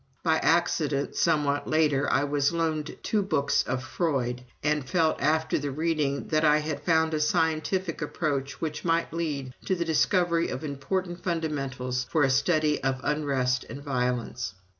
"By accident, somewhat later, I was loaned two books of Freud, and I felt after the reading, that I had found a scientific approach which might lead to the discovery of important fundamentals for a study of unrest and violence.